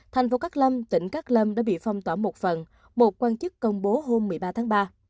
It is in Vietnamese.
thành phố cát lâm tỉnh cát lâm đã bị phong tỏa một phần một quan chức công bố hôm một mươi ba tháng ba